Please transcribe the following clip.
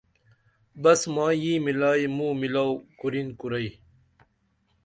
بس مائی یی ملائی مو میلو کُرین کُرئی